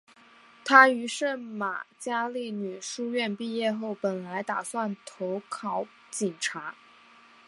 她于圣玛加利女书院毕业后本来打算投考警察。